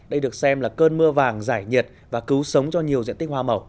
đây được xem là cơn mưa vàng giải nhiệt và cứu sống cho nhiều diện tích hoa màu